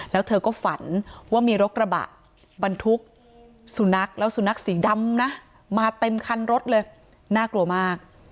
แล้วเธอก็ฝันว่ามีรถกระบะบรรทุกสุนัขแล้วสุนัขสีดำนะมาเต็มคันรถเลยน่ากลัวมาก